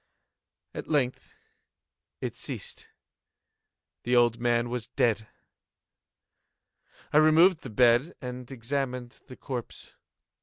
At length it ceased. The old man was dead. I removed the bed and examined the corpse.